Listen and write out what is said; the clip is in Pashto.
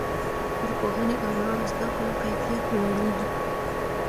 د پوهنې او لوړو زده کړو کیفیت لوړیږي.